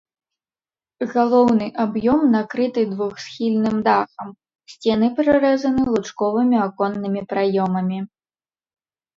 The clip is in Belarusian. Галоўны аб'ём накрыты двухсхільным дахам, сцены прарэзаны лучковымі аконнымі праёмамі.